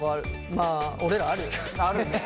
まあ俺らあるよね。